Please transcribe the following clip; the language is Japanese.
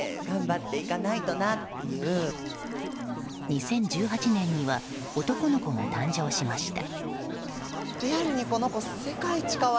２０１８年には男の子が誕生しました。